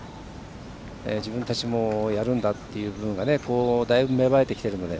自分たちもやるんだという部分がだいぶ、芽生えてきてるので。